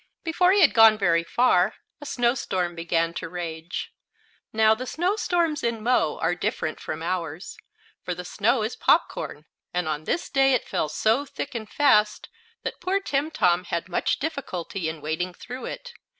Before he had gone very far a snow storm began to rage. Now, the snow storms in Mo are different from ours, for the snow is popcorn, and on this day it fell so thick and fast that poor Timtom had much difficulty in wading through it.